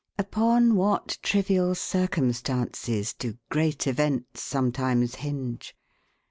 Upon what trivial circumstances do great events sometimes hinge!